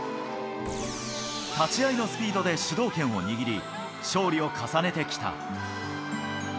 立ち合いのスピードで主導権を握り、勝利を重ねてきた。